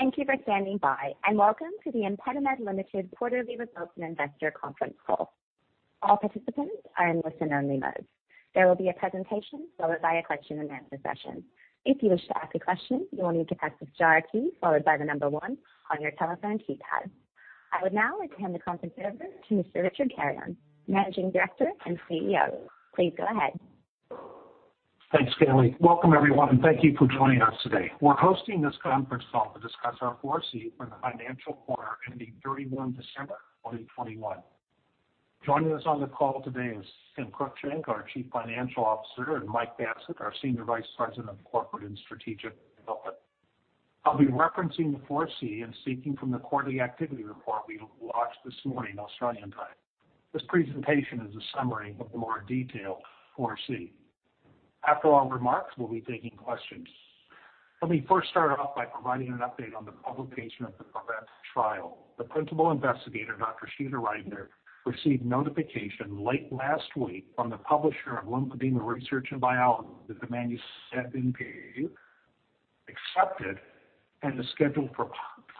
Thank you for standing by, and welcome to the ImpediMed Limited quarterly results and investor conference call. All participants are in listen-only mode. There will be a presentation followed by a question-and-answer session. If you wish to ask a question, you will need to press the star key followed by the number one on your telephone keypad. I would now hand the conference over to Mr. Richard Carreon, Managing Director and CEO. Please go ahead. Thanks, Kelly. Welcome, everyone, and thank you for joining us today. We're hosting this conference call to discuss our 4C for the financial quarter ending 31 December 2021. Joining us on the call today is Tim Cruickshank, our Chief Financial Officer, and Mike Bassett, our Senior Vice President of Corporate and Strategic Development. I'll be referencing the 4C and slides from the quarterly activity report we launched this morning, Australian time. This presentation is a summary of the more detailed 4C. After our remarks, we'll be taking questions. Let me first start off by providing an update on the publication of the PREVENT Trial. The principal investigator, Dr. Sheila Ridner, received notification late last week from the publisher of Lymphedema Research and Biology that the manuscript had been accepted and is scheduled for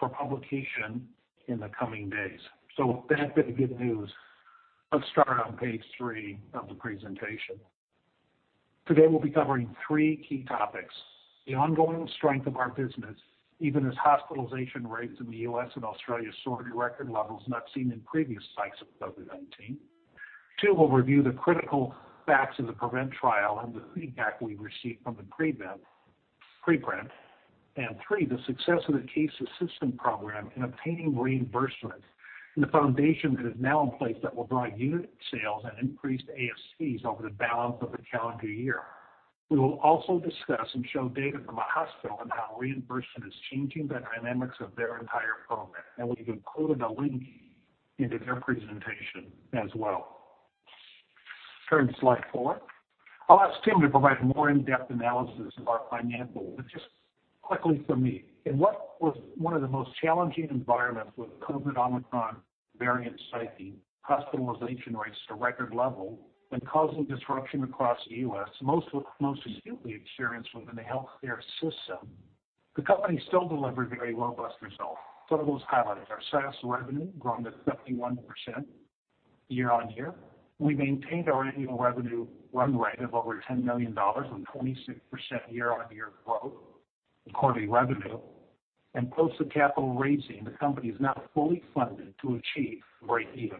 publication in the coming days. That bit of good news. Let's start on page 3 of the presentation. Today, we'll be covering three key topics. The ongoing strength of our business, even as hospitalization rates in the U.S. and Australia soared to record levels not seen in previous spikes of COVID-19. Two, we'll review the critical facts of the PREVENT Trial and the feedback we've received from the preprint. Three, the success of the Case Assistance Program in obtaining reimbursement and the foundation that is now in place that will drive unit sales and increased ASPs over the balance of the calendar year. We will also discuss and show data from a hospital on how reimbursement is changing the dynamics of their entire program, and we've included a link into their presentation as well. Turn to slide 4. I'll ask Tim to provide more in-depth analysis of our financials, but just quickly from me. In what was one of the most challenging environments with COVID Omicron variant spiking, hospitalization rates to record level, and causing disruption across the U.S., most acutely experienced within the healthcare system, the company still delivered very robust results. Some of those highlights are SaaS revenue growing to 71% year-on-year. We maintained our annual revenue run rate of over 10 million dollars and 26% year-on-year growth in quarterly revenue. Post the capital raising, the company is now fully funded to achieve breakeven.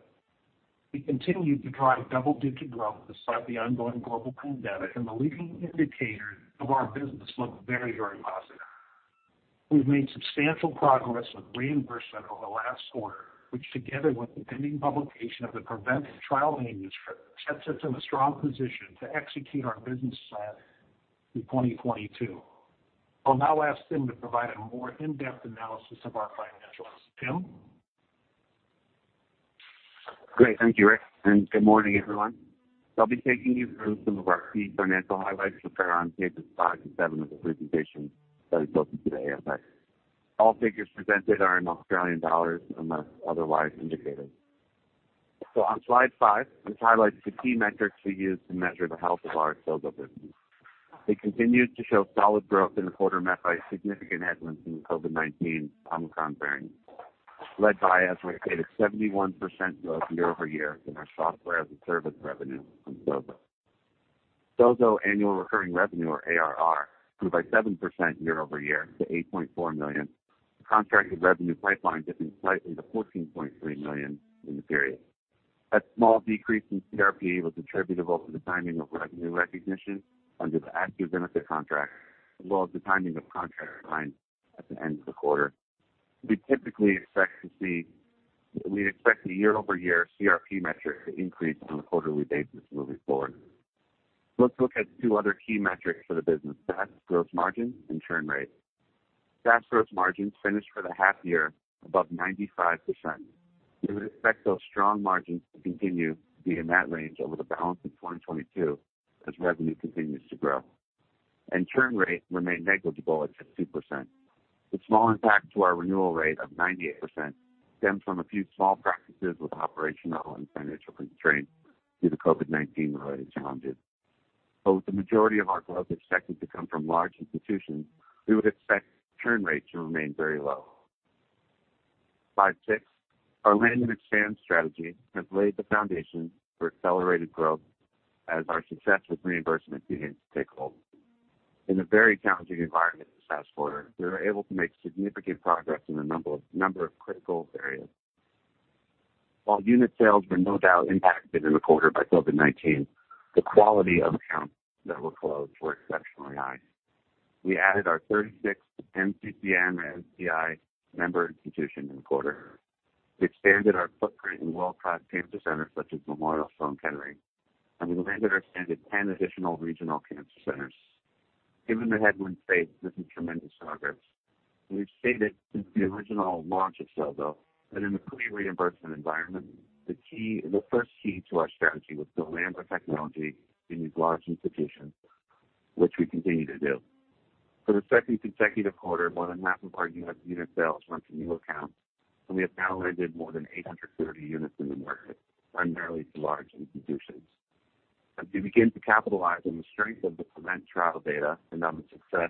We continued to drive double-digit growth despite the ongoing global pandemic, and the leading indicators of our business look very positive. We've made substantial progress with reimbursement over the last quarter, which, together with the pending publication of the PREVENT Trial manuscript, sets us in a strong position to execute our business plan through 2022. I'll now ask Tim to provide a more in-depth analysis of our financials. Tim. Great. Thank you, Rick, and good morning, everyone. I'll be taking you through some of our key financial highlights prepared on pages five and seven of the presentation that is open today. All figures presented are in Australian dollars unless otherwise indicated. On slide five, which highlights the key metrics we use to measure the health of our SOZO business. It continued to show solid growth in the quarter met by significant headwinds from the COVID-19 Omicron variant, led by, as Rick stated, 71% growth year-over-year in our software as a service revenue from SOZO. SOZO annual recurring revenue or ARR grew by 7% year-over-year to 8.4 million. The contracted revenue pipeline dipped slightly to 14.3 million in the period. That small decrease in CRP was attributable to the timing of revenue recognition under the Astro benefit contract, as well as the timing of contracts signed at the end of the quarter. We expect the year-over-year CRP metric to increase on a quarterly basis moving forward. Let's look at two other key metrics for the business, SaaS growth margin and churn rate. SaaS growth margins finished for the half year above 95%. We would expect those strong margins to continue to be in that range over the balance of 2022 as revenue continues to grow. Churn rate remained negligible at 2%. The small impact to our renewal rate of 98% stems from a few small practices with operational and financial constraints due to COVID-19-related challenges. With the majority of our growth expected to come from large institutions, we would expect churn rates to remain very low. Slide 6. Our land and expand strategy has laid the foundation for accelerated growth as our success with reimbursement begins to take hold. In a very challenging environment this past quarter, we were able to make significant progress in a number of critical areas. While unit sales were no doubt impacted in the quarter by COVID-19, the quality of accounts that were closed were exceptionally high. We added our 36th NCCN or NCI member institution in the quarter. We expanded our footprint in world-class cancer centers such as Memorial Sloan Kettering, and we landed or expanded 10 additional regional cancer centers. Given the headwinds faced, this is tremendous progress. We've stated since the original launch of SOZO that in the pre-reimbursement environment, the key, the first key to our strategy was to land the technology in these large institutions, which we continue to do. For the second consecutive quarter, more than half of our unit sales were from new accounts, and we have now landed more than 830 units in the market, primarily to large institutions. As we begin to capitalize on the strength of the PREVENT trial data and on the success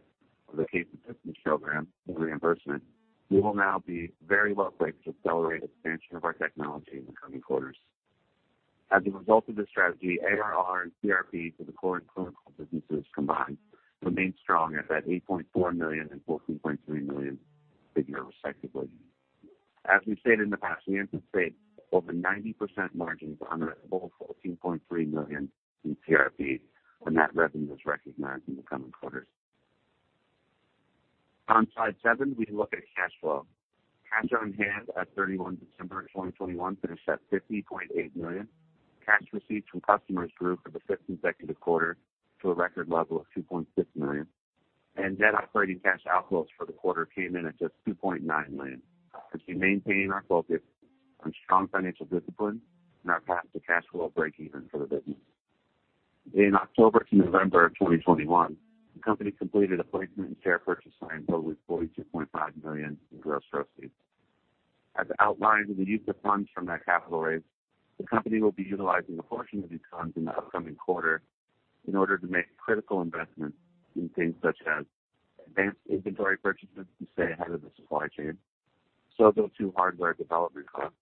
of the Case Assistance Program and reimbursement, we will now be very well placed to accelerate expansion of our technology in the coming quarters. As a result of this strategy, ARR and CRP for the core and clinical businesses combined remained strong at that 84 million and 14.3 million figure respectively. As we've stated in the past, we anticipate over 90% margins on the over 14.3 million in CRP when that revenue is recognized in the coming quarters. On slide 7, we look at cash flow. Cash on hand at 31 December 2021 finished at AUD 50.8 million. Cash receipts from customers grew for the 5th consecutive quarter to a record level of AUD 2.6 million. Net operating cash outflows for the quarter came in at just 2.9 million as we maintain our focus on strong financial discipline and our path to cash flow breakeven for the business. In October to November 2021, the company completed a placement and share purchase plan totaling 42.5 million in gross proceeds. As outlined in the use of funds from that capital raise, the company will be utilizing a portion of these funds in the upcoming quarter in order to make critical investments in things such as advanced inventory purchases to stay ahead of the supply chain, SOZO 2 hardware development costs,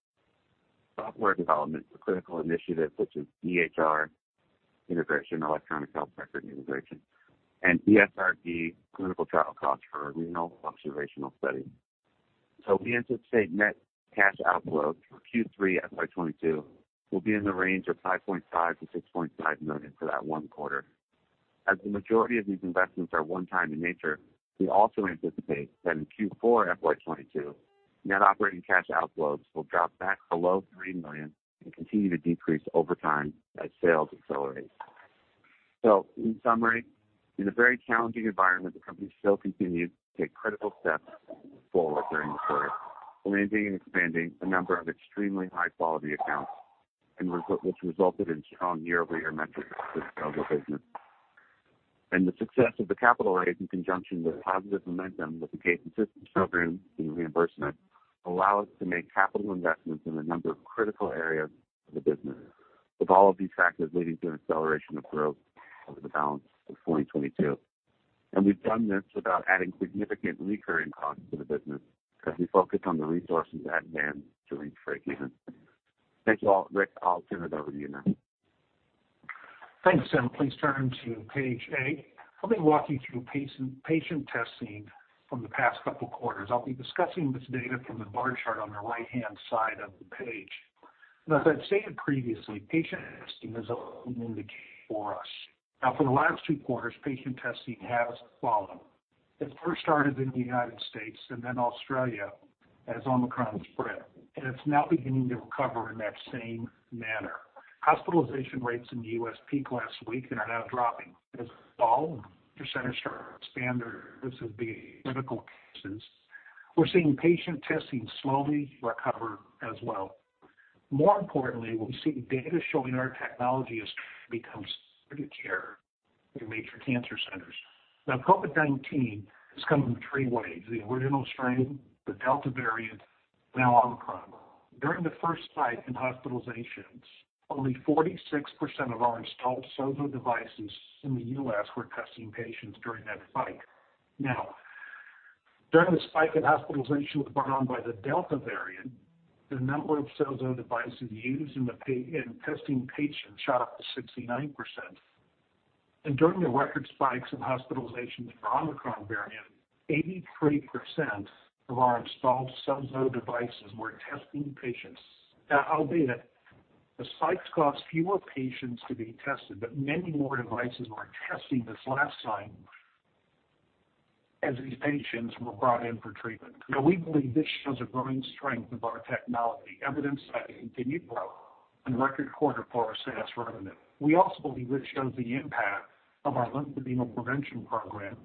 software development for critical initiatives such as EHR integration, electronic health record integration, and ESRD clinical trial costs for a renal observational study. We anticipate net cash outflows for Q3 FY 2022 will be in the range of 5.5 million-6.5 million for that one quarter. As the majority of these investments are one time in nature, we also anticipate that in Q4 FY 2022, net operating cash outflows will drop back below 3 million and continue to decrease over time as sales accelerate. In summary, in a very challenging environment, the company still continued to take critical steps forward during the quarter, landing and expanding a number of extremely high-quality accounts and which resulted in strong year-over-year metrics for the scale of the business. The success of the capital raise in conjunction with positive momentum with the Case Assistance Program and reimbursement allow us to make capital investments in a number of critical areas of the business, with all of these factors leading to an acceleration of growth over the balance of 2022. We've done this without adding significant recurring costs to the business as we focus on the resources at hand to reach breakeven. Thank you all. Rick, I'll turn it over to you now. Thanks, Tim. Please turn to page 8. Let me walk you through patient testing from the past couple quarters. I'll be discussing this data from the bar chart on the right-hand side of the page. As I've stated previously, patient testing is a leading indicator for us. Now, for the last two quarters, patient testing has fallen. It first started in the United States and then Australia as Omicron spread, and it's now beginning to recover in that same manner. Hospitalization rates in the U.S. peaked last week and are now dropping. As positivity rates start to standardize, this will be typical cases. We're seeing patient testing slowly recover as well. More importantly, we see data showing our technology as becoming standard of care in major cancer centers. Now, COVID-19 has come in 3 waves: the original strain, the Delta variant, now Omicron. During the first spike in hospitalizations, only 46% of our installed SOZO devices in the U.S. were testing patients during that spike. Now, during the spike in hospitalizations brought on by the Delta variant, the number of SOZO devices used in testing patients shot up to 69%. During the record spikes in hospitalizations for Omicron variant, 83% of our installed SOZO devices were testing patients. Now, albeit the spikes caused fewer patients to be tested, but many more devices were testing this last time as these patients were brought in for treatment. Now, we believe this shows a growing strength of our technology, evidenced by the continued growth and record quarter for our SaaS revenue. We also believe this shows the impact of our Lymphedema Prevention Program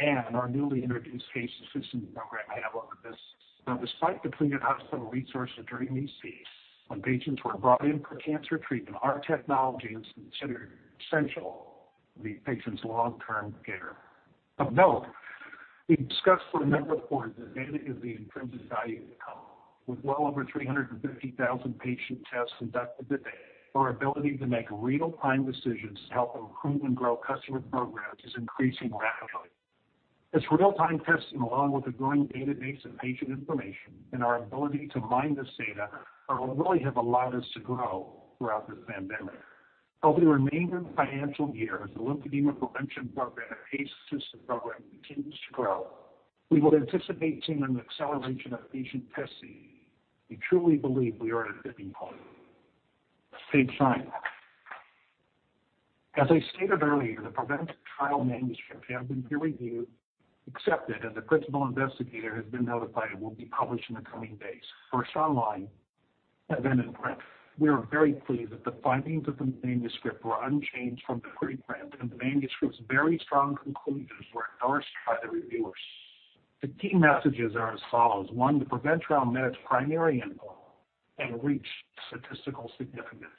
and our newly introduced Case Assistance Program. I'll wrap up with this. Now, despite depleted hospital resources during these peaks, when patients were brought in for cancer treatment, our technology is considered essential to the patient's long-term care. Of note, we've discussed for a number of quarters the value of the intrinsic value of the company. With well over 350,000 patient tests conducted to date, our ability to make real-time decisions to help improve and grow customers' programs is increasing rapidly. This real-time testing, along with a growing database of patient information and our ability to mine this data, really have allowed us to grow throughout this pandemic. Over the remainder of the financial year, as the Lymphedema Prevention Program and Case Assistance Program continues to grow, we would anticipate seeing an acceleration of patient testing. We truly believe we are at a tipping point. Please shine on. As I stated earlier, the PREVENT trial manuscript has been peer-reviewed, accepted, and the principal investigator has been notified it will be published in the coming days, first online, and then in print. We are very pleased that the findings of the manuscript were unchanged from the preprint, and the manuscript's very strong conclusions were endorsed by the reviewers. The key messages are as follows. One, the PREVENT trial met its primary endpoint and reached statistical significance.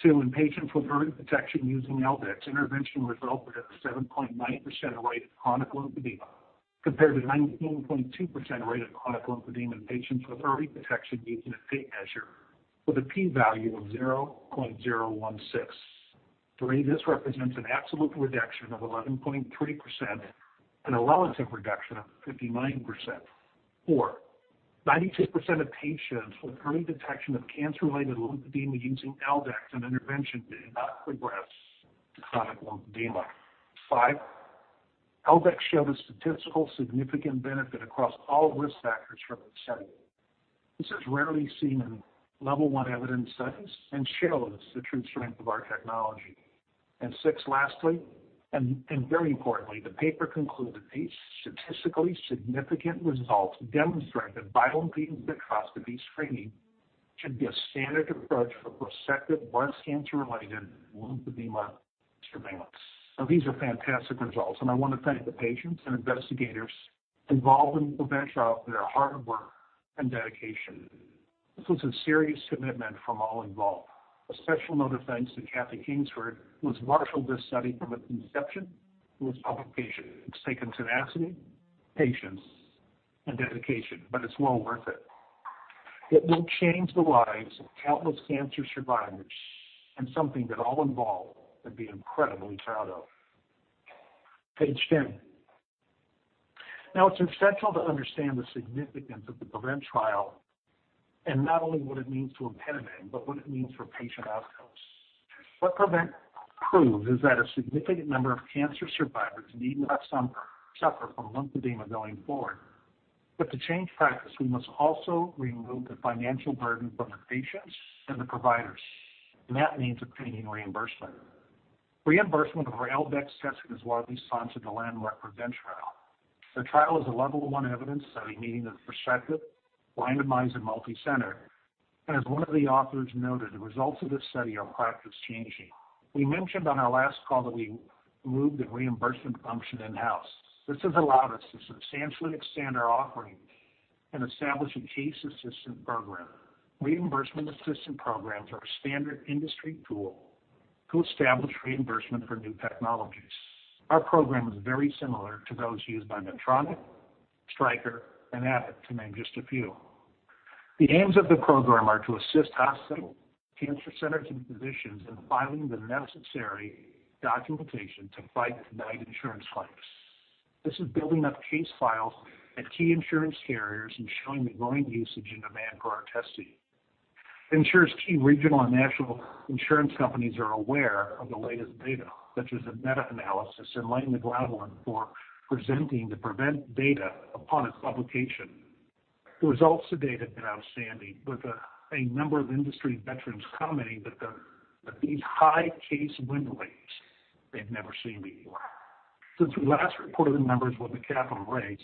Two, in patients with breast protection using L-Dex, intervention resulted in a 7.9% rate of chronic lymphedema. Compared to 19.2% rate of chronic lymphedema in patients with early detection using a tape measure with a P value of 0.016. Three, this represents an absolute reduction of 11.3% and a relative reduction of 59%. 4, 92% of patients with early detection of cancer-related lymphedema using L-Dex and intervention did not progress to chronic lymphedema. 5, L-Dex showed a statistically significant benefit across all risk factors from the study. This is rarely seen in level one evidence studies and shows the true strength of our technology. Six, lastly and very importantly, the paper concluded these statistically significant results demonstrate that vital bioimpedance spectroscopy screening should be a standard approach for prospective breast cancer-related lymphedema surveillance. Now, these are fantastic results, and I want to thank the patients and investigators involved in the PREVENT Trial for their hard work and dedication. This was a serious commitment from all involved. A special note of thanks to Kathryn Schmitz, who has marshaled this study from its inception to its publication. It's taken tenacity, patience, and dedication, but it's well worth it. It will change the lives of countless cancer survivors and something that all involved can be incredibly proud of. Page ten. Now, it's essential to understand the significance of the PREVENT trial and not only what it means to ImpediMed, but what it means for patient outcomes. What PREVENT proves is that a significant number of cancer survivors need not suffer from lymphedema going forward. To change practice, we must also remove the financial burden from the patients and the providers, and that means obtaining reimbursement. Reimbursement of our L-Dex testing is why we sponsored the landmark PREVENT trial. The trial is a level one evidence study, meaning it's prospective, randomized, and multicenter. As one of the authors noted, the results of this study are practice-changing. We mentioned on our last call that we moved the reimbursement function in-house. This has allowed us to substantially expand our offerings and establish a Case Assistance Program. Reimbursement assistance programs are a standard industry tool to establish reimbursement for new technologies. Our program is very similar to those used by Medtronic, Stryker, and Abbott, to name just a few. The aims of the program are to assist hospital cancer centers and physicians in filing the necessary documentation to fight denied insurance claims. This is building up case files at key insurance carriers and showing the growing usage and demand for our testing. It ensures key regional and national insurance companies are aware of the latest data, such as the meta-analysis in New England Journal for presenting the PREVENT data upon its publication. The results to date have been outstanding with a number of industry veterans commenting that these high case win rates they've never seen before. Since we last reported the numbers with the capital raise,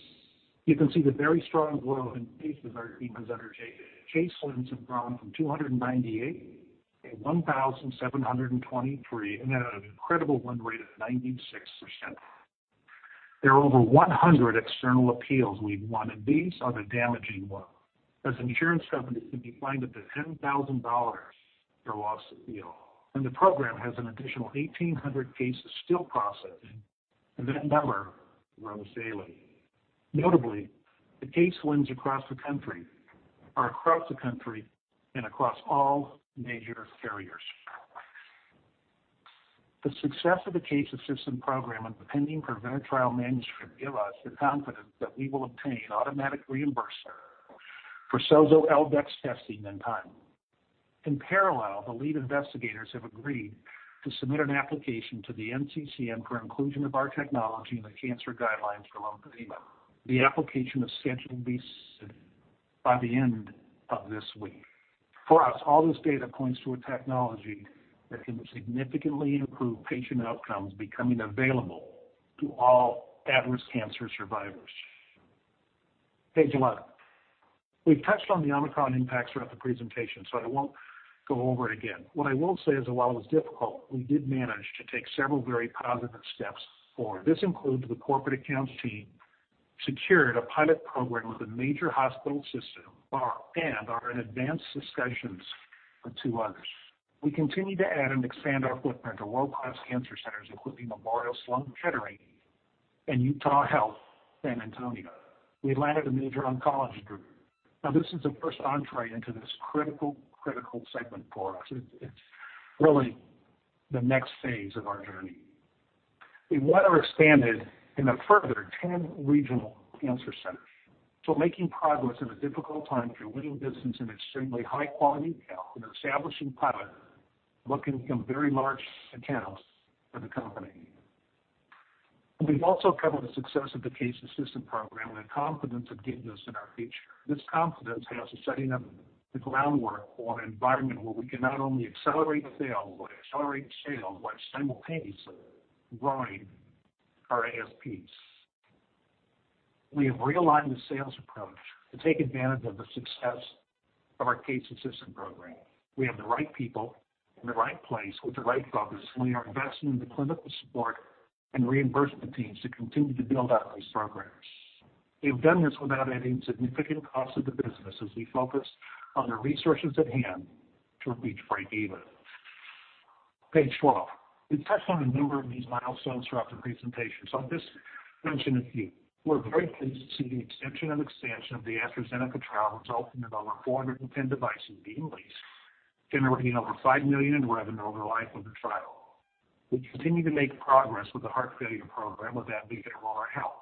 you can see the very strong growth in cases are being undertaken. Case wins have grown from 298 to 1,723 and at an incredible win rate of 96%. There are over 100 external appeals we've won, and these are the damaging ones, as insurance companies can be fined up to $10,000 per lost appeal. The program has an additional 1,800 cases still processing, and that number grows daily. Notably, the case wins across the country are across all major carriers. The success of the Case Assistance Program and the pending PREVENT Trial manuscript give us the confidence that we will obtain automatic reimbursement for SOZO L-Dex testing in time. In parallel, the lead investigators have agreed to submit an application to the NCCN for inclusion of our technology in the cancer guidelines for lymphedema. The application is scheduled to be submitted by the end of this week. For us, all this data points to a technology that can significantly improve patient outcomes becoming available to all at-risk cancer survivors. Page 11. We've touched on the Omicron impacts throughout the presentation, so I won't go over it again. What I will say is, while it was difficult, we did manage to take several very positive steps forward. This includes the corporate accounts team secured a pilot program with a major hospital system and are in advanced discussions with two others. We continue to add and expand our footprint to world-class cancer centers, including Memorial Sloan Kettering and UT Health San Antonio. We landed a major oncology group. Now, this is the first entry into this critical segment for us. It's really the next phase of our journey. We've widely expanded in a further 10 regional cancer centers. Making progress in a difficult time through winning business in extremely high-quality accounts and establishing pilot work can become very large accounts for the company. We've also covered the success of the Case Assistance Program and the confidence it gives us in our future. This confidence has us setting up the groundwork for an environment where we can not only accelerate sales, but accelerate sales while simultaneously growing our ASPs. We have realigned the sales approach to take advantage of the success of the Case Assistance Program. We have the right people in the right place with the right focus, and we are investing in the clinical support and reimbursement teams to continue to build out these programs. We have done this without adding significant cost to the business as we focus on the resources at hand to reach breakeven. Page 12. We've touched on a number of these milestones throughout the presentation, so I'll just mention a few. We're very pleased to see the extension and expansion of the AstraZeneca trial resulting in over 410 devices being leased, generating over 5 million in revenue over the life of the trial. We continue to make progress with the heart failure program with Advocate Aurora Health.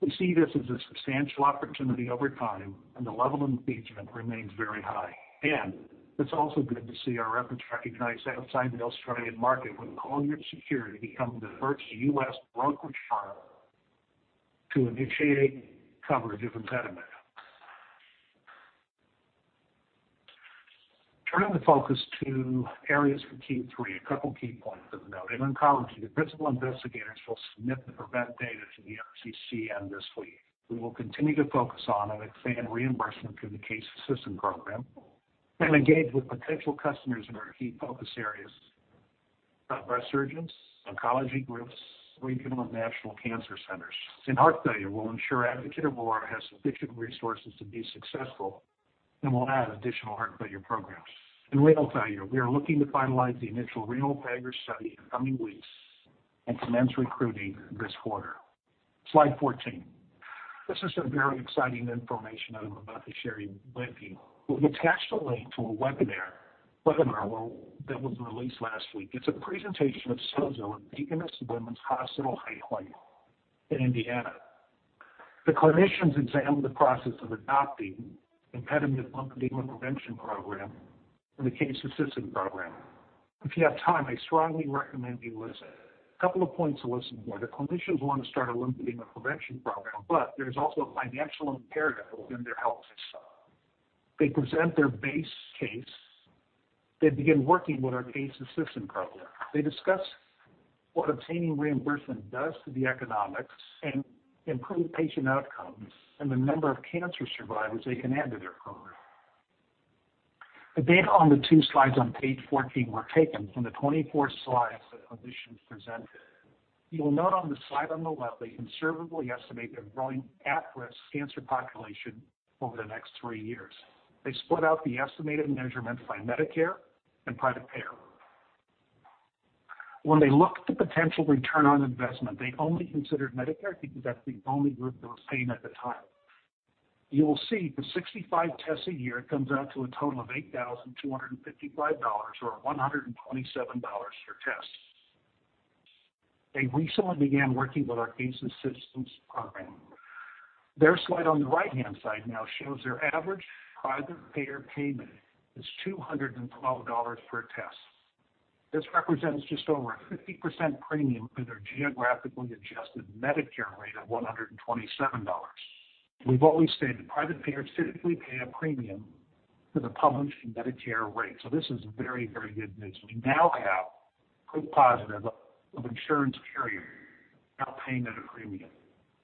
We see this as a substantial opportunity over time, and the level of engagement remains very high. It's also good to see our efforts recognized outside the Australian market, with Cogent Security becoming the first U.S. brokerage firm to initiate coverage of ImpediMed. Turning the focus to areas for Q3, a couple key points of note. In oncology, the principal investigators will submit the PREVENT data to the NCCN end this week. We will continue to focus on and expand reimbursement through the Case Assistance Program and engage with potential customers in our key focus areas of breast surgeons, oncology groups, regional and national cancer centers. In heart failure, we'll ensure Advocate Aurora has sufficient resources to be successful, and we'll add additional heart failure programs. In renal failure, we are looking to finalize the initial renal failure study in the coming weeks and commence recruiting this quarter. Slide 14. This is some very exciting information that I'm about to share with you. We've attached a link to a webinar where that was released last week. It's a presentation of SOZO at the Deaconess Women's Hospital High Pointe in Indiana. The clinicians examine the process of adopting ImpediMed's Lymphedema Prevention Program and the Case Assistance Program. If you have time, I strongly recommend you listen. A couple of points to listen for. The clinicians want to start a Lymphedema Prevention Program, but there's also a financial imperative within their health system. They present their base case. They begin working with our Case Assistance Program. They discuss what obtaining reimbursement does to the economics and improve patient outcomes and the number of cancer survivors they can add to their program. The data on the two slides on page 14 were taken from the 24 slides the clinicians presented. You will note on the slide on the left, they conservatively estimate their growing at-risk cancer population over the next three years. They split out the estimated measurements by Medicare and private payer. When they looked at potential return on investment, they only considered Medicare because that's the only group they were seeing at the time. You will see the 65 tests a year comes out to a total of $8,255 or $127 per test. They recently began working with our Case Assistance Program. Their slide on the right-hand side now shows their average private payer payment is $212 per test. This represents just over a 50% premium for their geographically adjusted Medicare rate of $127. We've always stated private payers typically pay a premium to the published Medicare rate, so this is very, very good news. We now have proof positive of insurance carrier now paying at a premium.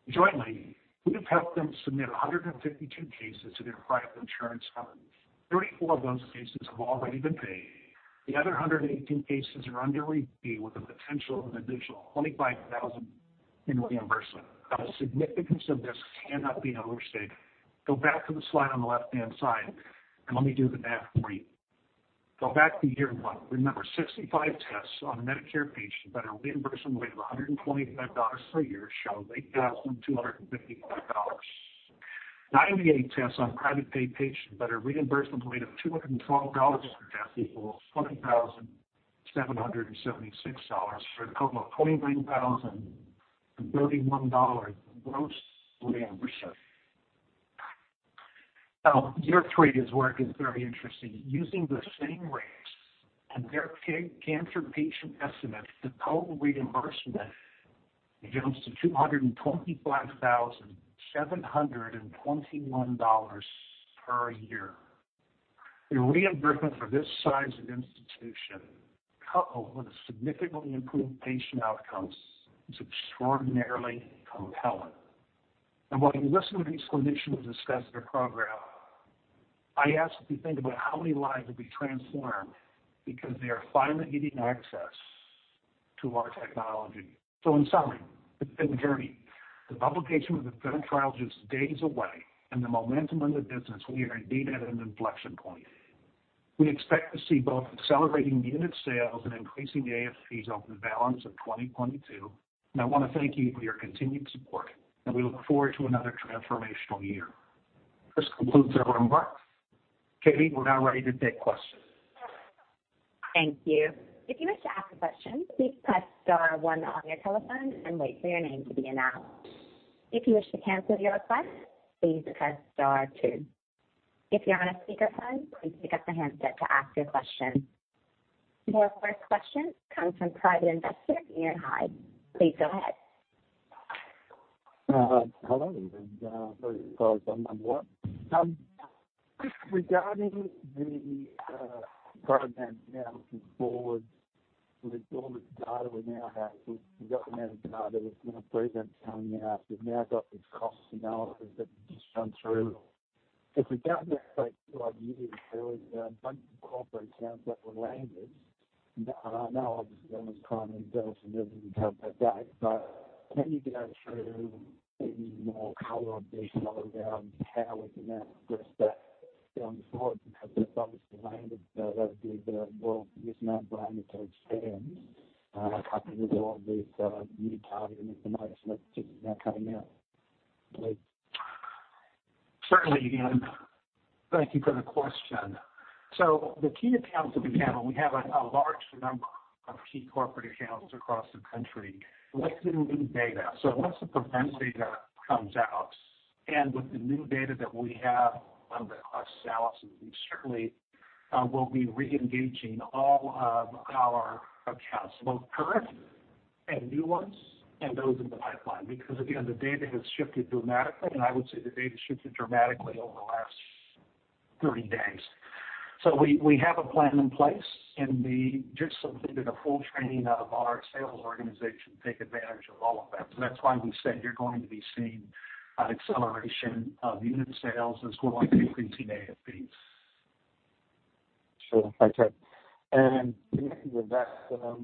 Jointly, we have helped them submit 152 cases to their private insurance partners. 34 of those cases have already been paid. The other 118 cases are under review with a potential of an additional $25,000 in reimbursement. Now, the significance of this cannot be overstated. Go back to the slide on the left-hand side and let me do the math for you. Go back to year one. Remember, 65 tests on Medicare patients at a reimbursement rate of $125 per year shows $8,255. 98 tests on private pay patients at a reimbursement rate of $212 per test equals $20,776 for a total of $29,031 gross reimbursement. Now, year three is where it gets very interesting. Using the same rates and their cancer patient estimates, the total reimbursement jumps to $225,721 per year. The reimbursement for this size of institution, coupled with significantly improved patient outcomes, is extraordinarily compelling. While you listen to these clinicians discuss their program, I ask that you think about how many lives will be transformed because they are finally getting access to our technology. In summary, it's been a journey. The publication of the PREVENT Trial is just days away and the momentum in the business, we are indeed at an inflection point. We expect to see both accelerating unit sales and increasing the ASP fees over the balance of 2022. I wanna thank you for your continued support, and we look forward to another transformational year. This concludes our remarks. Kelly, we're now ready to take questions. Thank you. Your first question comes from private investor, Ian Hyde. Please go ahead. Hello, and very sorry if I'm number one. Regarding the program now looking forward with all this data we now have, we've got the amount of data that's now present coming out. We've now got these cost analyses that we've just gone through. If we go back say two odd years, there was a bunch of corporate sales that were landed. Now, obviously, I was trying to build some of them and come back. Can you go through any more color on these numbers around how we can now address that? Down the road, because there's obviously L-Dex, that would be the world is not blind to expansion. How can you do all of this new data and economics that's just now coming out, please? Certainly, Ian. Thank you for the question. The key accounts that we have, and we have a large number of key corporate accounts across the country with the new data. Once the PREVENT data comes out and with the new data that we have on the cross-sales, we certainly will be re-engaging all of our accounts, both current and new ones and those in the pipeline. Because again, the data has shifted dramatically, and I would say the data shifted dramatically over the last 30 days. We have a plan in place, and we just submitted a full training of our sales organization to take advantage of all of that. That's why we said you're going to be seeing an acceleration of unit sales as well as increasing ASPs. Sure. Thanks, Richard. Connected with that, you know,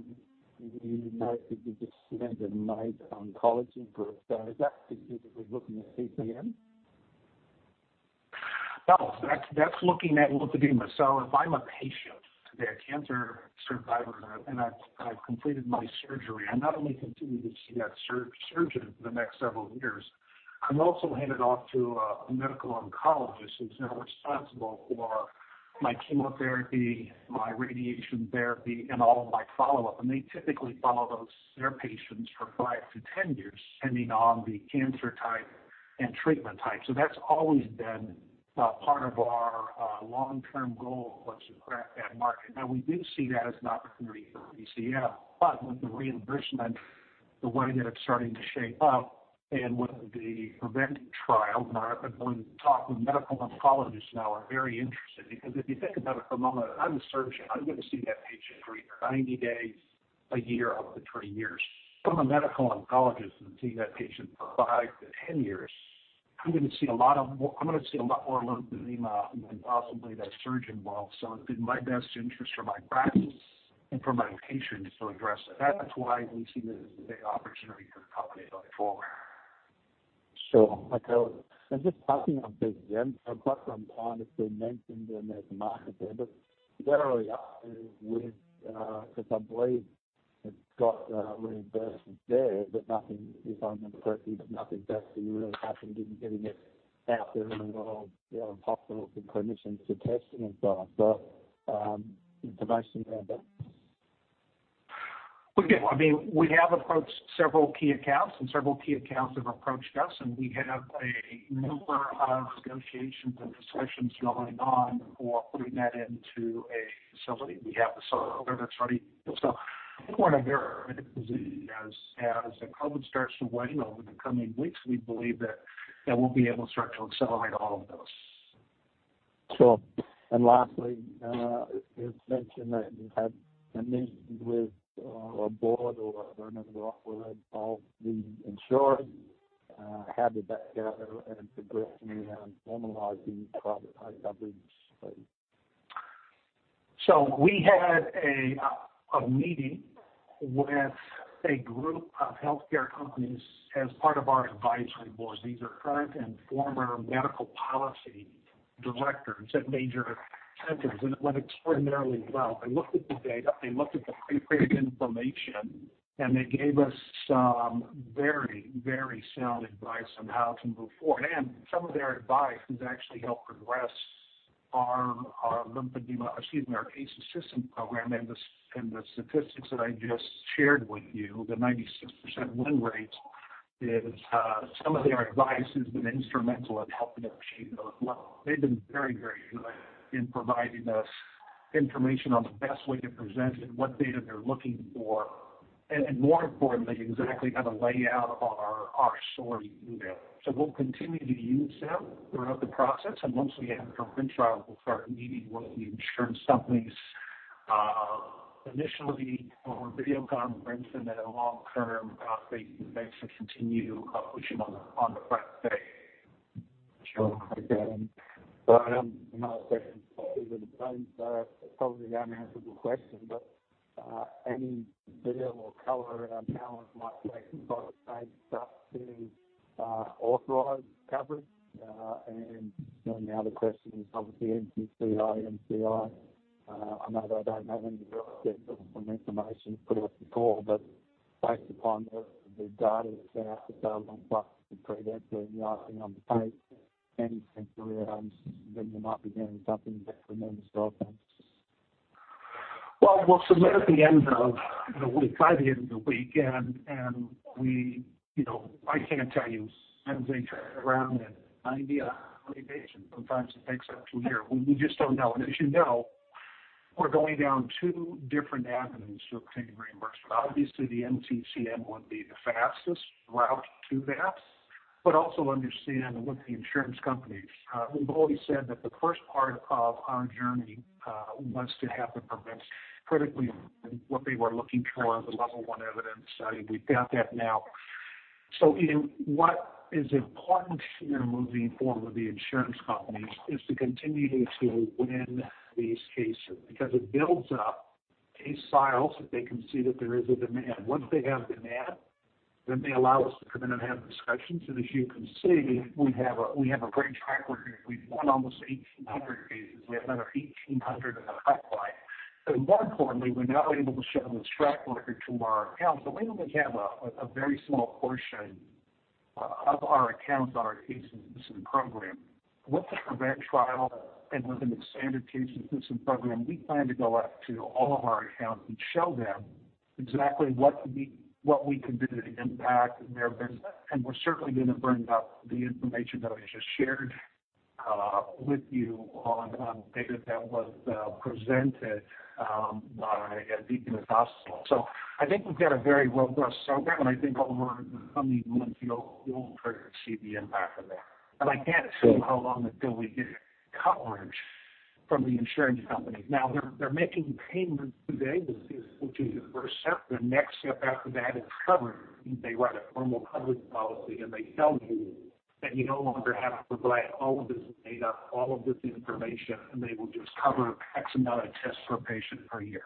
you just spent a night on oncology for, is that specifically looking at CPT? No, that's looking at lymphedema. If I'm a patient today, a cancer survivor, and I've completed my surgery, I not only continue to see that surgeon for the next several years, I'm also handed off to a medical oncologist who's now responsible for my chemotherapy, my radiation therapy, and all of my follow-up. They typically follow their patients for 5-10 years, depending on the cancer type and treatment type. That's always been part of our long-term goal, once you crack that market. Now we do see that as an opportunity for PCF, but with the reimbursement, the way that it's starting to shape up and with the PREVENT Trial, now I've been going and talking to medical oncologists now are very interested. Because if you think about it for a moment, I'm a surgeon. I'm gonna see that patient for either 90 days, a year, up to 3 years. If I'm a medical oncologist and seeing that patient for 5-10 years, I'm gonna see a lot more lymphedema than possibly that surgeon will. It's in my best interest for my practice and for my patients to address it. That's why we see the opportunity to accommodate going forward. Sure. Okay. Just touching on PZM, apart from honestly mentioning them as a market there, but generally with, because I believe it's got, reimbursement there, but nothing, if I'm incorrect, there's nothing that you really have in getting it out there in the world, you know, hospitals and clinicians to testing and so on. Information around that. Okay. I mean, we have approached several key accounts, and several key accounts have approached us, and we have a number of negotiations and discussions going on for putting that into a facility. We have the software that's ready. As the COVID starts to wane over the coming weeks, we believe that we'll be able to start to accelerate all of those. Sure. Lastly, it's mentioned that you had a meeting with a board or I don't know what word, all the insurers. How did that go and progress in formalizing private payer coverage? We had a meeting with a group of healthcare companies as part of our advisory board. These are current and former medical policy directors at major centers, and it went extraordinarily well. They looked at the data, they looked at the PREVENT information, and they gave us some very, very sound advice on how to move forward. Some of their advice has actually helped progress our lymphedema, excuse me, our Case Assistance Program and the statistics that I just shared with you, the 96% win rate, some of their advice has been instrumental in helping achieve those levels. They've been very, very good in providing us information on the best way to present it, what data they're looking for, and more importantly, exactly how to lay out our story to them. We'll continue to use them throughout the process, and once we have the PREVENT Trial, we'll start meeting with the insurance companies, initially over video conference, and then long term, face to face to continue, pushing on the front stage. Sure. Okay. I have another question for you. Probably an unanswerable question, but any visibility or color around how long it might take for the same stuff to authorize coverage? The other question is obviously NCCN, NCI. I know they don't have any real sense of information pretty much to call, but based upon the data that's out there, plus the PREVENT and the icing on the cake and century items, then you might be getting something that recommends, in your opinion. Well, we'll submit at the end of the week, and we, you know, I can't tell you. Sometimes they turn it around in 90 odd days and sometimes it takes up to a year. We just don't know. As you know, we're going down two different avenues to obtain reimbursement. Obviously, the NCCN would be the fastest route to that, but also understand with the insurance companies, we've always said that the first part of our journey was to have the PREVENT critically what they were looking for, the level one evidence study. We've got that now. Ian, what is important here moving forward with the insurance companies is to continue to win these cases because it builds up case files that they can see that there is a demand. Once they have demand, then they allow us to come in and have discussions. As you can see, we have a great track record. We've won almost 1,800 cases. We have another 1,800 in the pipeline. More importantly, we're now able to show this track record to our accounts. We only have a very small portion of our accounts on our Case Assistance Program. With the PREVENT Trial and with an expanded Case Assistance Program, we plan to go out to all of our accounts and show them exactly what we can do to impact their business. We're certainly gonna bring up the information that I just shared with you on data that was presented by Deaconess Hospital. I think we've got a very robust program, and I think over the coming months you'll start to see the impact of that. But I can't say how long until we get coverage from the insurance companies. Now they're making payments today, which is the first step. The next step after that is coverage. They write a formal coverage policy, and they tell you that you no longer have to provide all of this data, all of this information, and they will just cover X amount of tests per patient per year.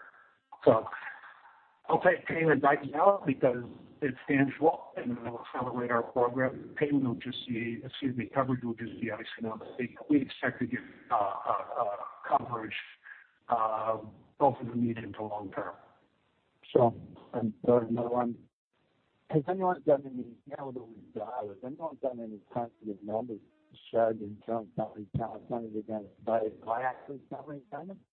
I'll take payment right now because it's tangible and it will accelerate our program. Coverage will just be icing on the cake. We expect to get coverage both in the medium to long term. Sure. Third and another one. How old are these data? Has anyone done any quantitative numbers to show the insurance companies how much money they're gonna save by actually covering L-Dex? Like the cost reduction of treating wounds and lymphedema compared to paying for it and not having it at all in the first place?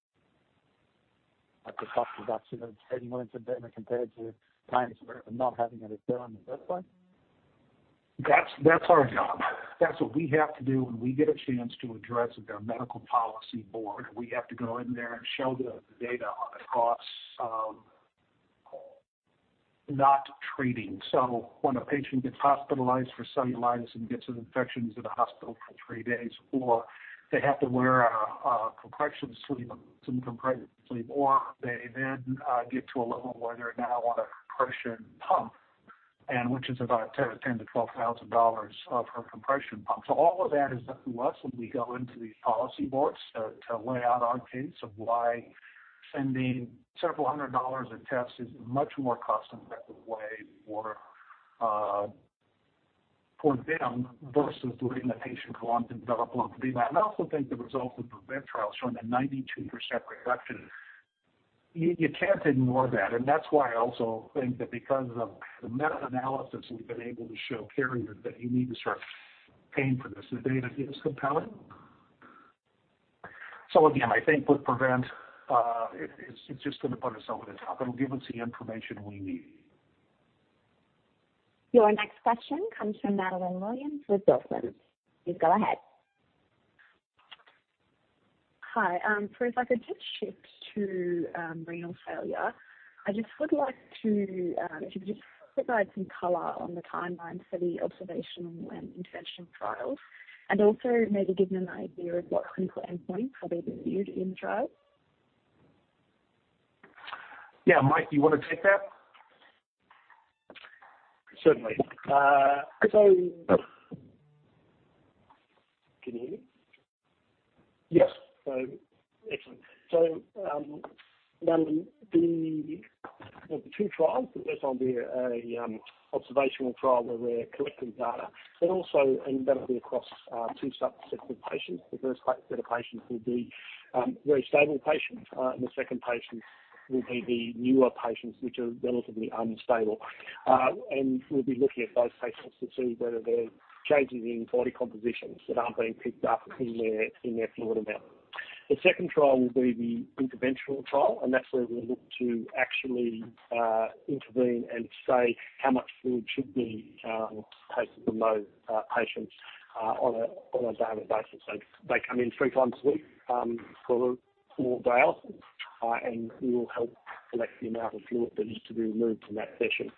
That's our job. That's what we have to do when we get a chance to address their medical policy board. We have to go in there and show the data on the costs of not treating. When a patient gets hospitalized for cellulitis and gets an infection, is in the hospital for three days, or they have to wear a compression sleeve, or they then get to a level where they're now on a compression pump, which is about $10,000-$12,000 for a compression pump. All of that is up to us when we go into these policy boards to lay out our case of why sending several hundred dollars a test is a much more cost-effective way for them versus letting the patient go on to develop lymphedema. I also think the results of the PREVENT Trial showing a 92% reduction, you can't ignore that. That's why I also think that because of the meta-analysis, we've been able to show carriers that you need to start paying for this. The data is compelling. Again, I think with PREVENT, it's just gonna put us over the top. It'll give us the information we need. Your next question comes from Madeleine Williams with Goldman. Please go ahead. Hi. For instance, if I could just shift to renal failure. I just would like to, if you could just provide some color on the timeline for the observational and interventional trials. Also maybe give me an idea of what clinical endpoints have been used in the trials. Yeah. Mike, do you wanna take that? Certainly. Can you hear me? Yes. Excellent. Madeleine, the two trials, the first one being an observational trial where we're collecting data, but also. That'll be across two subsets of patients. The first set of patients will be very stable patients, and the second patients will be the newer patients, which are relatively unstable. We'll be looking at those patients to see whether there are changes in body compositions that aren't being picked up in their fluid amount. The second trial will be the interventional trial, and that's where we'll look to actually intervene and say how much fluid should be taken from those patients on a daily basis. They come in three times a week for a small dialysis, and we will help collect the amount of fluid that needs to be removed from that session.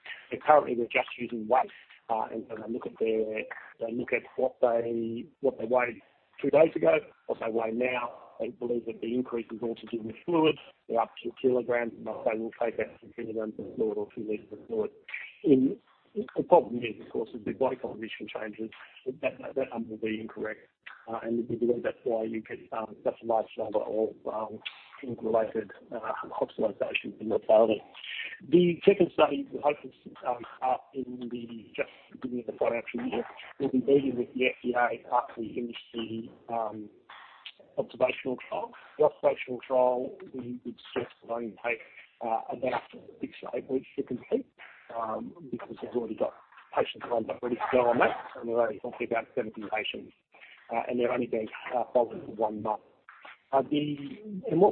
Currently, we're just using weight, and they look at what they weighed two days ago, what they weigh now. They believe that the increase is also due to fluid. They're up 2 kilograms, and they will take out 2 kilograms of fluid or 2 liters of fluid. The problem is, of course, as their body composition changes, that number will be incorrect. We believe that's why you get such a large number of fluid-related hospitalizations and mortality. The second study we hope to have in the just beginning of the financial year. We'll be meeting with the FDA after we finish the observational trial. The observational trial we've stressed will only take about 6-8 weeks to complete because we've already got patients lined up ready to go on that. We're only talking about 70 patients, and they're only being followed for one month. What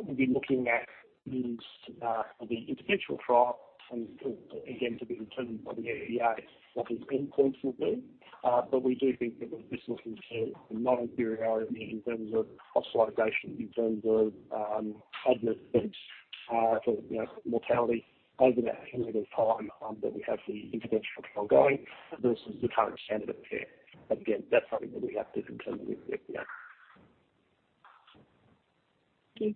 we'll be looking at is for the interventional trial to be determined by the FDA what these endpoints will be. But we do think that we're just looking for non-inferiority in terms of hospitalization, in terms of admissions, to you know, mortality over that period of time that we have the interventional trial going versus the current standard of care. Again, that's something that we have to determine with the FDA. Thank you.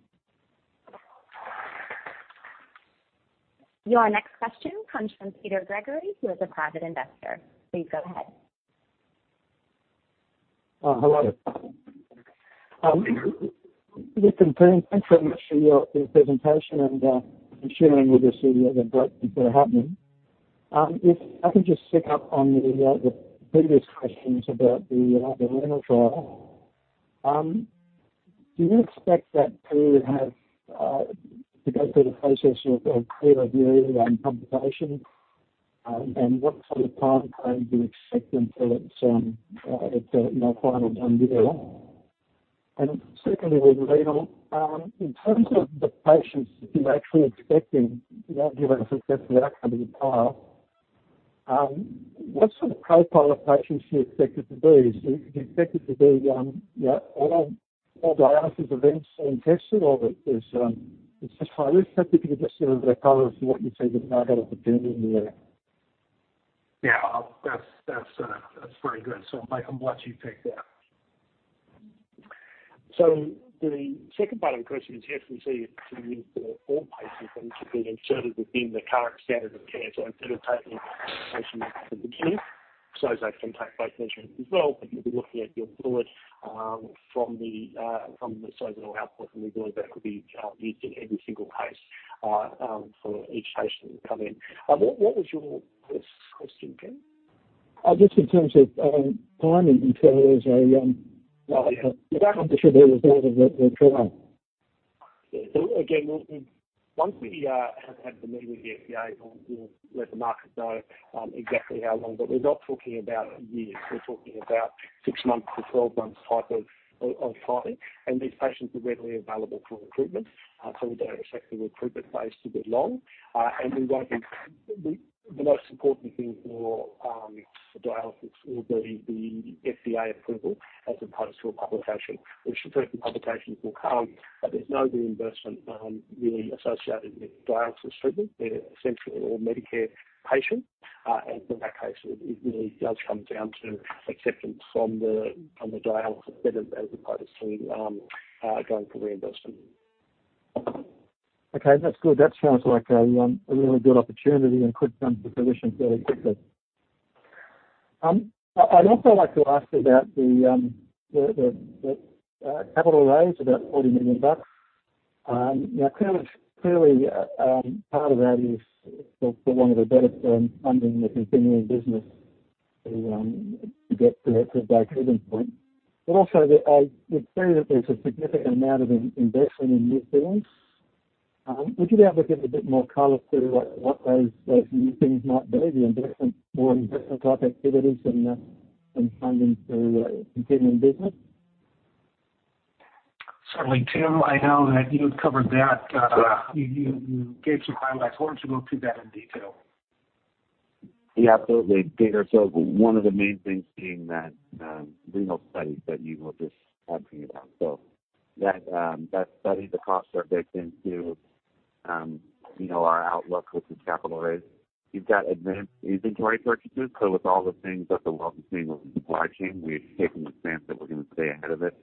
Your next question comes from Peter Gregory. He is a private investor. Please go ahead. Hello. Rick and Tim, thanks very much for your presentation and sharing with us the updates that are happening. If I can just pick up on the previous questions about the renal trial. Do you expect that to go through the process of peer review and publication? What sort of timeframe do you expect until it's you know final and clear? Secondly, with renal, in terms of the patients you're actually expecting you know given a successful outcome of the trial, what sort of profile of patients do you expect it to be? Is it expected to be, you know, all dialysis events being tested or is this highly specific or just sort of a color as to what you see the target of the patient being there? Yeah, that's very good. I'm glad you picked that. The second part of the question is, yes, we see it to be used for all patients, and it should be inserted within the current standard of care. Instead of taking patients at the beginning, SOZO can take both measurements as well. You'll be looking at your fluid from the SOZO output from the fluid that could be used in every single case for each patient that come in. What was your first question, Ken? Just in terms of timing until there's a definite result of the trial. Again, once we have had the meeting with the FDA, we'll let the market know exactly how long. We're not talking about years. We're talking about 6-12 months type of timing. These patients are readily available for recruitment, so we don't expect the recruitment phase to be long. The most important thing for dialysis will be the FDA approval as opposed to a publication, which the first publications will come, but there's no reimbursement really associated with dialysis treatment. They're essentially all Medicare patients. In that case, it really does come down to acceptance from the dialysis centers as opposed to going for reimbursement. Okay, that's good. That sounds like a really good opportunity and could come to fruition fairly quickly. I'd also like to ask about the capital raise, about $40 million. Now clearly, part of that is, for want of a better term, funding the continuing business to get to a breakeven point. But also it's clear that there's a significant amount of investment in new things. Would you be able to give a bit more color to what those new things might be, the investment type activities and funding the continuing business? Certainly, Tim, I know that you had covered that. Yeah. You gave some highlights. Why don't you go through that in detail? Yeah, absolutely, Peter. One of the main things being that renal study that you were just asking about. That study, the costs are baked into you know, our outlook with the capital raise. You've got advance inventory purchases. With all the things that the world has seen with supply chain, we've taken the stance that we're gonna stay ahead of it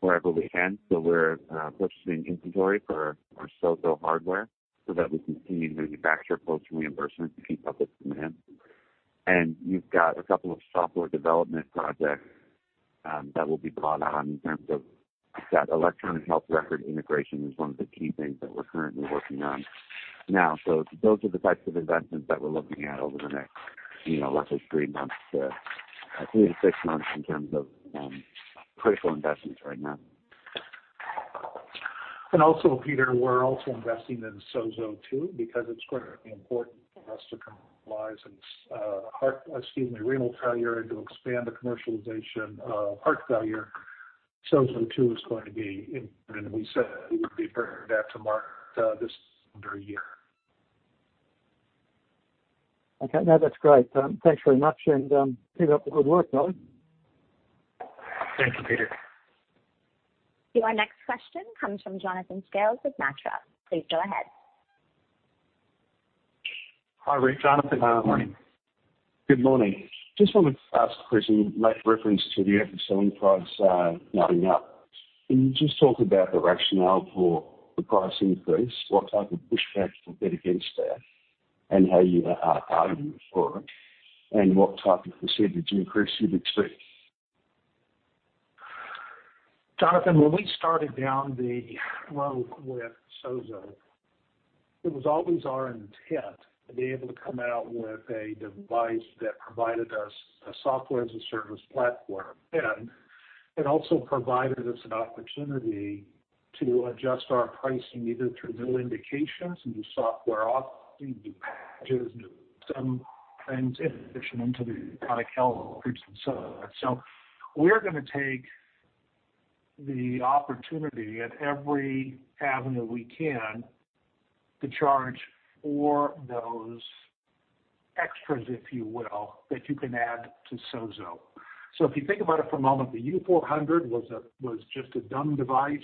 wherever we can. We're purchasing inventory for our SOZO hardware so that we can continue to manufacture post reimbursement to keep up with demand. You've got a couple of software development projects that will be brought on in terms of that electronic health record integration is one of the key things that we're currently working on now. Those are the types of investments that we're looking at over the next, you know, let's say 3 months to 3-6 months in terms of critical investments right now. Peter, we're also investing in SOZO 2 because it's going to be important for us to commercialize in renal failure, and to expand the commercialization of heart failure. SOZO 2 is going to be important. We said we would be bringing that to market this calendar year. Okay. No, that's great. Thanks very much, and keep up the good work, fellas. Thank you, Peter. Our next question comes from Jonathan Scales with Moelis. Please go ahead. Hi, Rick. Jonathan- Hi. Good morning. Just wanted to ask a question, make reference to the average selling price going up. Can you just talk about the rationale for the price increase, what type of pushback you'll get against that, and how you are arguing for it, and what type of percentage increase you'd expect? Jonathan, when we started down the road with SOZO, it was always our intent to be able to come out with a device that provided us a software as a service platform. It also provided us an opportunity to adjust our pricing either through new indications, new software offerings, new patches, new some things in addition into the chronic health groups and so on. We're gonna take the opportunity at every avenue we can to charge for those extras, if you will, that you can add to SOZO. If you think about it for a moment, the U400 was just a dumb device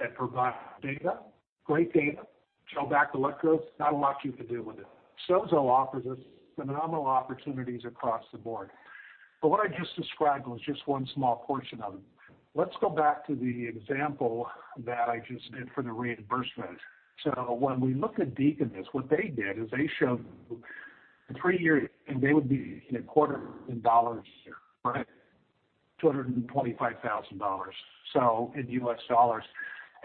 that provided data, great data, show back electrodes, not a lot you could do with it. SOZO offers us phenomenal opportunities across the board. What I just described was just one small portion of it. Let's go back to the example that I just did for the reimbursement. When we look at Deaconess, what they did is they showed the three-year, and they would be in a quarter in dollars, right? $225,000, so in US dollars.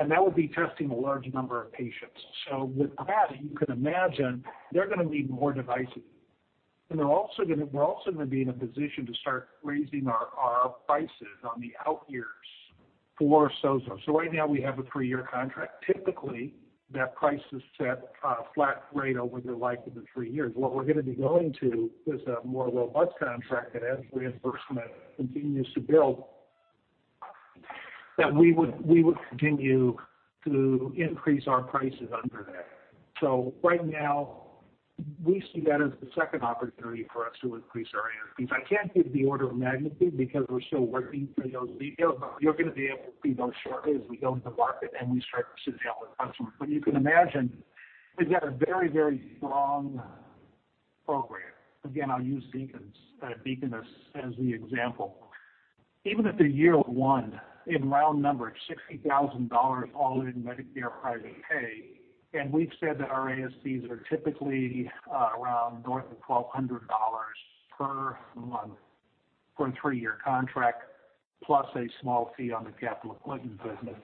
That would be testing a large number of patients. With that, you can imagine they're gonna need more devices. We're also gonna be in a position to start raising our prices on the out years for SOZO. Right now we have a three-year contract. Typically, that price is set flat rate over the life of the three years. What we're gonna be going to is a more robust contract that as reimbursement continues to build, we would continue to increase our prices under that. Right now we see that as the second opportunity for us to increase our ASPs. I can't give the order of magnitude because we're still working through those details, but you're gonna be able to see those shortly as we go into market and we start to deal with customers. You can imagine they've got a very, very strong program. Again, I'll use Deaconess's, Deaconess as the example. Even at the year 1, in round numbers, $60,000 all in Medicare private pay, and we've said that our ASPs are typically around north of $1,200 per month for a 3-year contract, plus a small fee on the capital equipment business.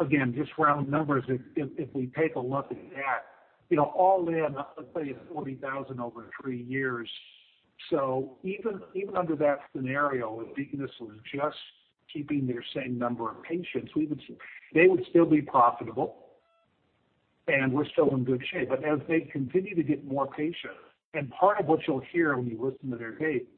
Again, just round numbers if we take a look at that, you know, all in, let's say $40,000 over 3 years. Even under that scenario, if Deaconess was just keeping their same number of patients, they would still be profitable, and we're still in good shape. As they continue to get more patients, and part of what you'll hear when you listen to their tape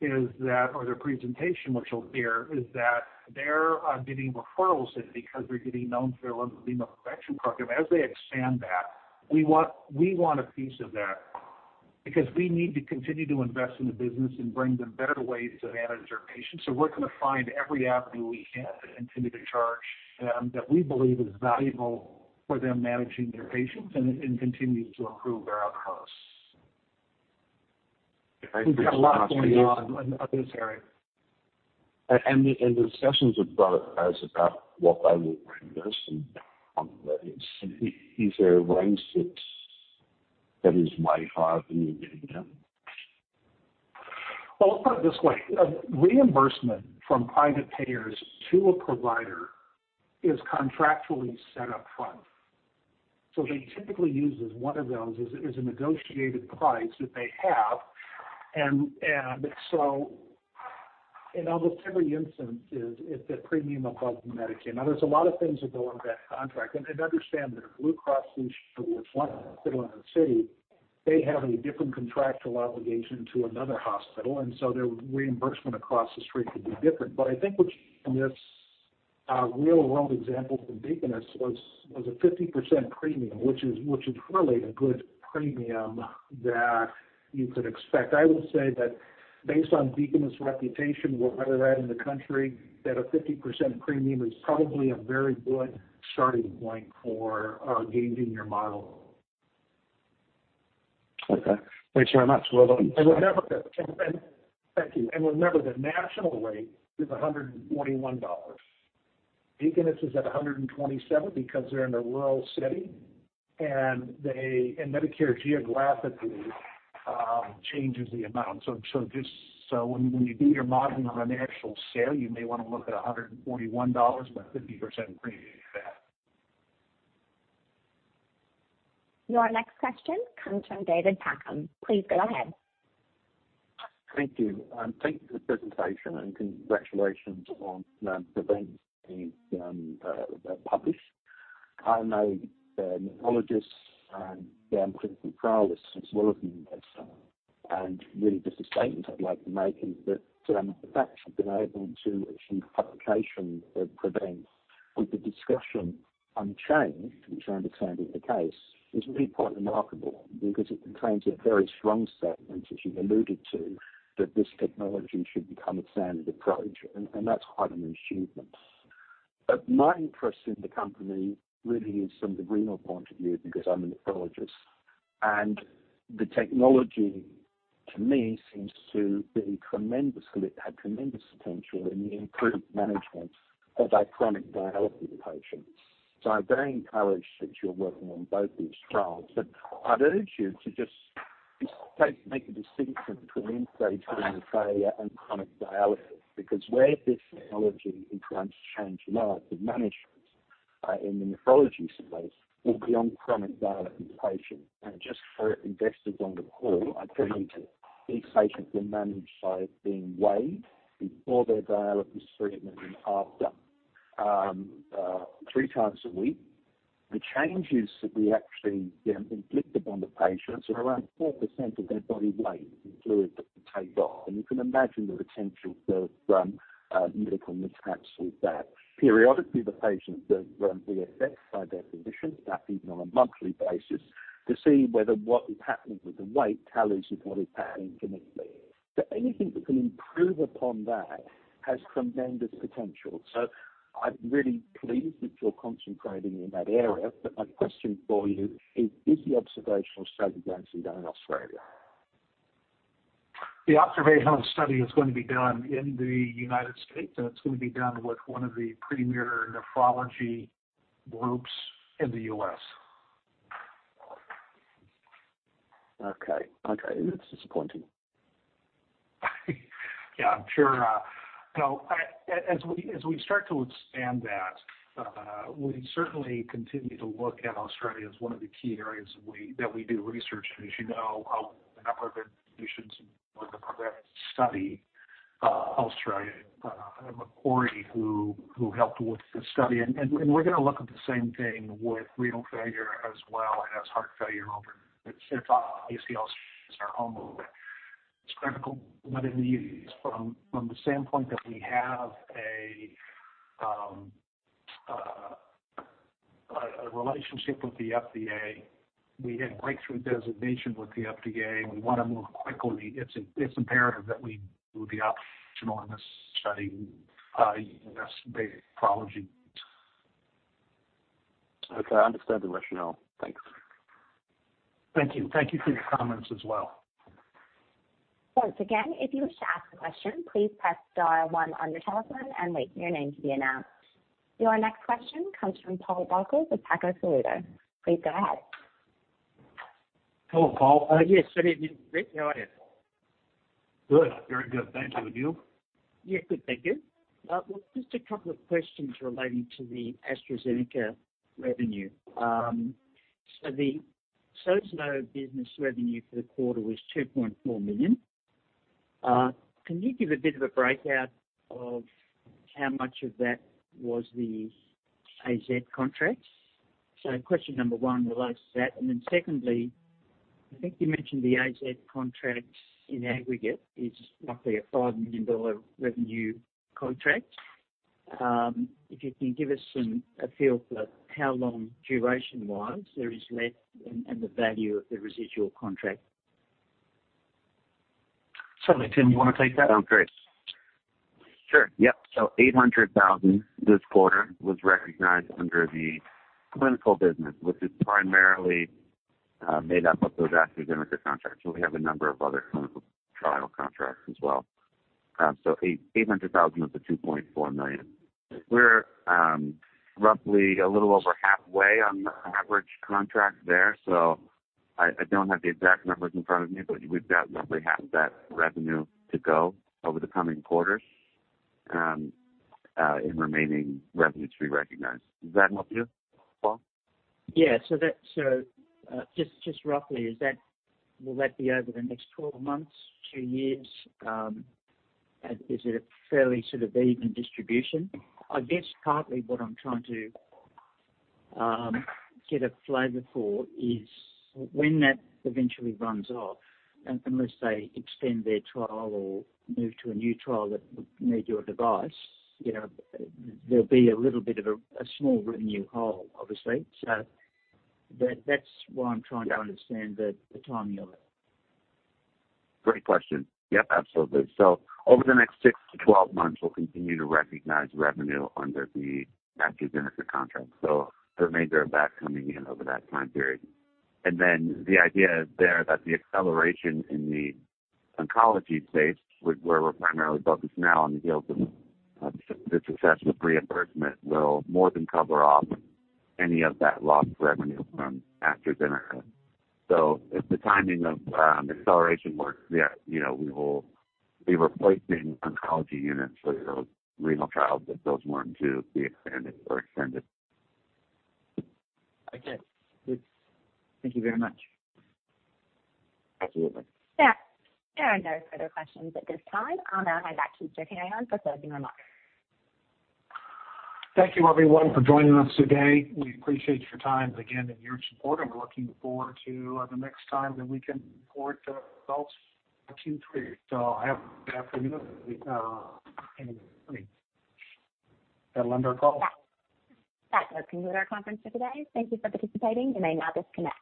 is their presentation, what you'll hear is that they're getting referrals in because they're getting known for their lymphedema assessment program. As they expand that, we want a piece of that because we need to continue to invest in the business and bring them better ways to manage their patients. We're gonna find every avenue we can and continue to charge them that we believe is valuable for them managing their patients and continuing to improve their outcomes. If I could just- We've got a lot going on in this area. The discussions with product guys about what value bring this and is there a range that is likely hard when you're getting them? Well, let's put it this way. Reimbursement from private payers to a provider is contractually set up front. They typically use one of those, a negotiated price that they have. In almost every instance is the premium above Medicare. Now there's a lot of things that go into that contract, and understand that a Blue Cross Blue Shield, which is one in Cleveland Clinic, they have a different contractual obligation to another hospital, and so their reimbursement across the street could be different. I think what's in this real world example from Deaconess was a 50% premium, which is really a good premium that you could expect. I would say that based on Deaconess's reputation, where they're at in the country, that a 50% premium is probably a very good starting point for gauging your model. Okay. Thanks very much. Remember the national rate is $121. Deaconess is at $127 because they're in a rural city, and Medicare geographically changes the amount. Just so when you do your modeling on a national scale, you may wanna look at $141, about 50% premium to that. Your next question comes from David Packham. Please go ahead. Thank you. Thank you for the presentation and congratulations on the events being published. I'm a nephrologist and I'm a clinical trialist as well as an investor. Really just a statement I'd like to make is that the fact you've been able to achieve publication of events with the discussion unchanged, which I understand is the case, is really quite remarkable because it contains a very strong statement as you alluded to, that this technology should become a standard approach, and that's quite an achievement. My interest in the company really is from the renal point of view, because I'm a nephrologist, and the technology to me seems to have tremendous potential in the improved management of a chronic dialysis patient. I'm very encouraged that you're working on both these trials, but I'd urge you to make the distinction between end-stage renal failure and chronic dialysis, because where this technology is going to change the life of management in the nephrology space will be on chronic dialysis patients. Just for investors on the call, I think these patients are managed by being weighed before their dialysis treatment and after three times a week. The changes that we actually inflict upon the patients are around 4% of their body weight in fluid that we take off, and you can imagine the potential for medical mishaps with that. Periodically, the patients do BIS by their physicians, that's even on a monthly basis, to see whether what is happening with the weight tallies with what is happening clinically. Anything that can improve upon that has tremendous potential. I'm really pleased that you're concentrating in that area. My question for you is the observational study going to be done in Australia? The observational study is going to be done in the United States, and it's going to be done with one of the premier nephrology groups in the U.S. Okay. It's disappointing. Yeah, I'm sure. You know, as we start to expand that, we certainly continue to look at Australia as one of the key areas that we do research. As you know, a number of institutions with the current study, Australia, Macquarie, who helped with the study. We're gonna look at the same thing with renal failure as well as heart failure over. It's obvious Australia is our home. It's critical, but in the U.S., from the standpoint that we have a relationship with the FDA, we had breakthrough designation with the FDA. We wanna move quickly. It's imperative that we do the observational study, U.S.-based nephrology. Okay, I understand the rationale. Thanks. Thank you. Thank you for your comments as well. Once again, if you wish to ask a question, please press star one on your telephone and wait for your name to be announced. Your next question comes from Paul Bucco with Piper Sandler. Please go ahead. Hello, Paul. Yes, good evening, Rick. How are you? Good. Very good. Thank you. And you? Yeah. Good, thank you. Just a couple of questions relating to the AstraZeneca revenue. So the SOZO business revenue for the quarter was 2.4 million. Can you give a bit of a breakout of how much of that was the AZ contracts? Question number one relates to that. Secondly, I think you mentioned the AZ contracts in aggregate is roughly a $5 million revenue contract. If you can give us a feel for how long duration-wise there is left and the value of the residual contract. Certainly. Tim, you wanna take that? Sure. Yep. 800 thousand this quarter was recognized under the clinical business, which is primarily made up of those AstraZeneca contracts. We have a number of other clinical trial contracts as well. 800 thousand of the 2.4 million. We're roughly a little over halfway on the average contract there, I don't have the exact numbers in front of me, but we've got roughly half of that revenue to go over the coming quarters, in remaining revenue to be recognized. Does that help you, Paul? Just roughly, will that be over the next 12 months, 2 years? Is it a fairly sort of even distribution? I guess partly what I'm trying to get a flavor for is when that eventually runs off, unless they extend their trial or move to a new trial that would need your device, you know, there'll be a little bit of a small revenue hole, obviously. That's why I'm trying to understand the timing of it. Great question. Yep, absolutely. Over the next six to 12 months, we'll continue to recognize revenue under the AstraZeneca contract. The remainder of that coming in over that time period. The idea there that the acceleration in the oncology space, where we're primarily focused now on the heels of the success with reimbursement, will more than cover off any of that lost revenue from AstraZeneca. If the timing of acceleration works, yeah, you know, we will be replacing oncology units for those renal trials if those weren't to be expanded or extended. Okay. Good. Thank you very much. Absolutely. Yeah. There are no further questions at this time. I'll now hand it back to Richard Carreon for closing remarks. Thank you everyone for joining us today. We appreciate your time again and your support, and we're looking forward to the next time that we can report results in Q3. Have a good afternoon. That'll end our call. That does conclude our conference for today. Thank you for participating. You may now disconnect.